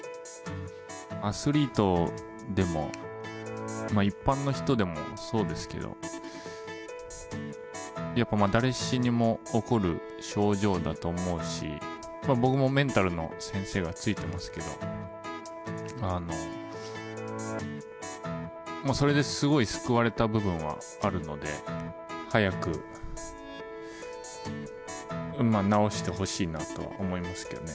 アスリートでも、一般の人でもそうですけど、やっぱ誰しにも起こる症状だと思うし、僕もメンタルの先生はついてますけど、もうそれですごい救われた部分はあるので、早く、治してほしいなとは思いますけどね。